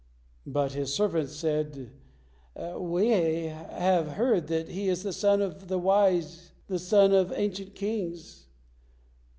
But his servants said, 'We have heard that He is the son of the wise, the son of ancient kings.'